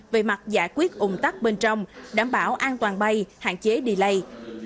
vệ mặt giải quyết ủng tắc bên trong đảm bảo an toàn bay hạn chế delay